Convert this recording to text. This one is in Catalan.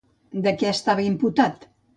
De què estava imputat?